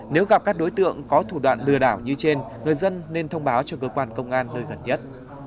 nếu gặp các đối tượng có thủ đoạn lừa đảo như trên người dân nên thông báo cho cơ quan công an nơi gần nhất